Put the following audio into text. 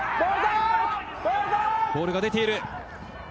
ボールが出ている。